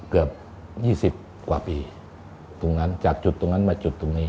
เกือบ๒๐กว่าปีตรงนั้นจากจุดตรงนั้นมาจุดตรงนี้